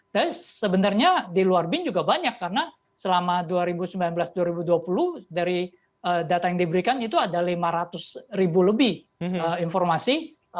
dan sebenarnya di luar bin juga banyak karena selama dua ribu sembilan belas dua ribu dua puluh dari data yang diberikan itu ada lima ratus ribu lebih informasi